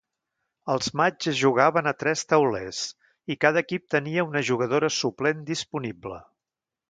Els matxs es jugaven a tres taulers, i cada equip tenia una jugadora suplent disponible.